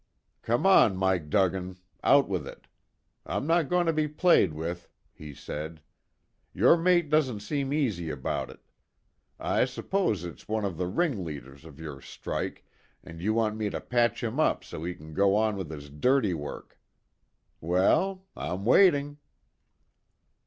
"Come on, Mike Duggan, out with it. I'm not going to be played with," he said. "Your mate doesn't seem easy about it. I suppose it's one of the ringleaders of your strike, and you want me to patch him up so he can go on with his dirty work. Well? I'm waiting."